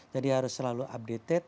jadi harus selalu update